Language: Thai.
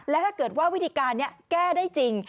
และถ้าเกิดว่าวิธีการนี้แก้ได้จริง